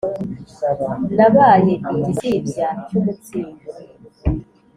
Nabaye igisibya cy’ umutsindo